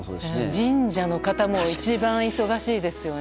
神社の方も一番忙しいですよね。